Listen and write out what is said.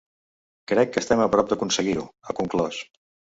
Crec que estem a prop d’aconseguir-ho, ha conclòs.